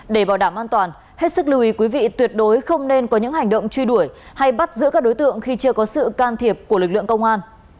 để bảo đảm an toàn hết sức lưu ý quý vị tuyệt đối không nên có những hành động truy đuổi hay bắt giữ các đối tượng khi chưa có sự can thiệp của lực lượng công an